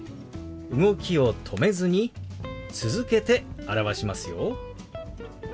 動きを止めずに続けて表しますよ。